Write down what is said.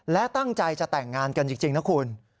และตั้งใจจะแต่งงานกันจริงนะคุณ